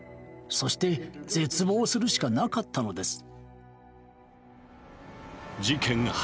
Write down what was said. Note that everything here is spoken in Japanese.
そして絶望するしかなかったのです。